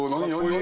何？